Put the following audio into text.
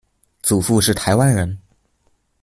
祖父是台湾人。